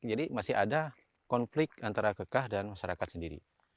jadi masih ada konflik antara kekah dan masyarakat sendiri